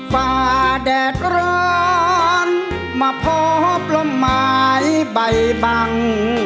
ฝ่าแดดร้อนมาพบลมไม้ใบบัง